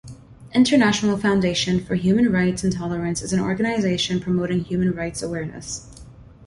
International Foundation for Human Rights and Tolerance is an organization promoting human rights awareness.